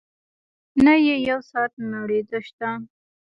نه يې يو ساعت مړېدۀ شته